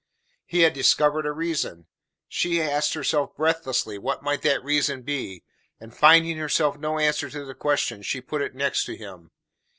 He had discovered a reason. She asked herself breathlessly what might that reason be, and finding herself no answer to the question, she put it next to him.